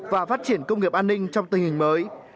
và phát triển công nghiệp an ninh trong tình hình mới